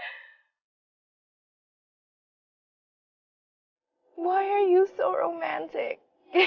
kenapa kamu sangat romantis